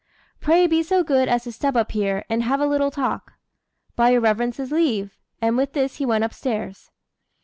"Pray be so good as to step up here, and have a little talk." "By your reverence's leave;" and with this he went upstairs.